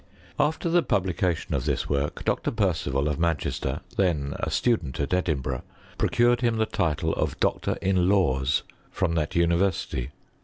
After the publication of this work. Dr. Percival of Manchester, then a stu dent at Edinburgh, procured him the title of doctor in laws, from that university.